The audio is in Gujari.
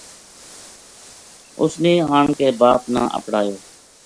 اس نے آن کے باپ نا اپڑایو